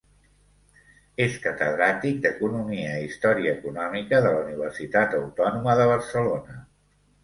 És catedràtic d'Economia i Història Econòmica de la Universitat Autònoma de Barcelona.